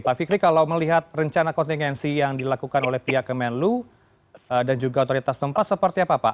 pak fikri kalau melihat rencana kontingensi yang dilakukan oleh pihak kemenlu dan juga otoritas tempat seperti apa pak